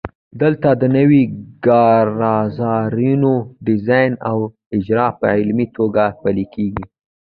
دلته د نویو کارزارونو ډیزاین او اجرا په عملي توګه پیلیږي.